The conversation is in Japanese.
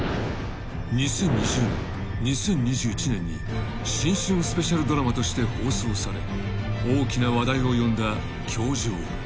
［２０２０年２０２１年に新春スペシャルドラマとして放送され大きな話題を呼んだ『教場』］